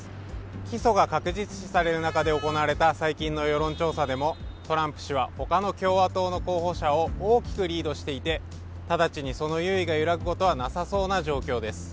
起訴が確実視される中で行われた最近の世論調査でもトランプ氏は他の共和党の候補者を大きくリードしていて、直ちにその優位が揺らぐことはなさそうな状況です。